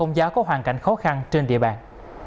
đồng bào công giáo có hoàn cảnh khó khăn trên địa bàn